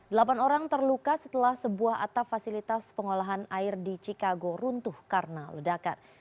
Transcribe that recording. delapan orang terluka setelah sebuah atap fasilitas pengolahan air di chicago runtuh karena ledakan